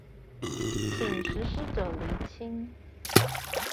請實施者釐清